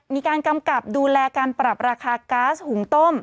กำกับดูแลการปรับราคาก๊าซหุงต้ม